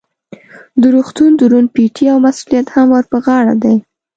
د روغتون دروند پیټی او مسؤلیت هم ور په غاړه دی.